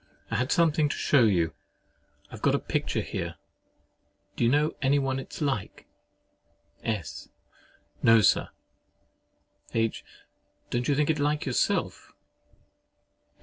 I had something to shew you—I have got a picture here. Do you know any one it's like? S. No, Sir. H. Don't you think it like yourself?